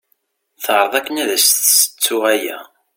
Teɛreḍ akken ad as-tessettu aya.